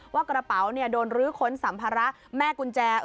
ว่ากระเป๋าโดนรื้อค้นสัมภาระแม่กุญแจ